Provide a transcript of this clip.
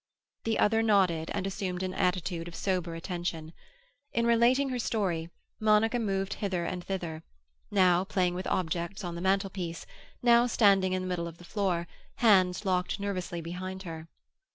The other nodded and assumed an attitude of sober attention. In relating her story, Monica moved hither and thither; now playing with objects on the mantlepiece, now standing in the middle of the floor, hands locked nervously behind her.